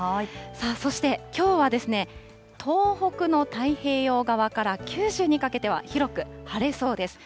そしてきょうはですね、東北の太平洋側から九州にかけては広く晴れそうです。